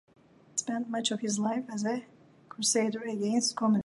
He spent much of his life as a crusader against communism.